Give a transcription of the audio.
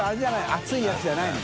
熱いやつじゃないの？